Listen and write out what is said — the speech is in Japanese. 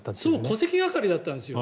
戸籍係だったんですよ